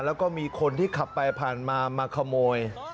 แล้วก็มีคนที่ขับไปผ่านมามาขโมย